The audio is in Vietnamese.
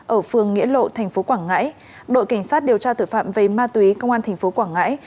ở phường nghĩa lộ tp quảng ngãi đội cảnh sát điều tra tội phạm về ma túy công an tp quảng ngãi